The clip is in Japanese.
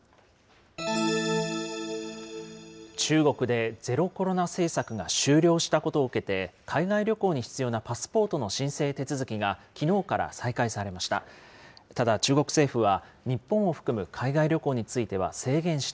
中国でゼロコロナ政策が終了したことを受けて、海外旅行に必要なパスポートの申請手続きがきのうから再開されました。